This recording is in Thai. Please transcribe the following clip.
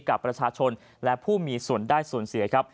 กับประชาชนและผู้มีส่วนได้ส่วนเสียครับ